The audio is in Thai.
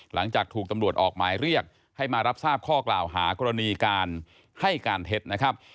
หลังจากถูกตำรวจออกหมายเรียกให้มารับทราบข้อกล่าวหากรณีการให้การเท็จนะครับ